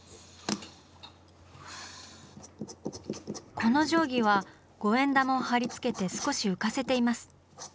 この定規は５円玉を貼り付けて少し浮かせています。